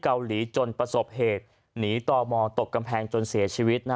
เกาหลีจนประสบเหตุหนีต่อมอตกกำแพงจนเสียชีวิต